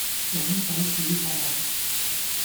撚手小菜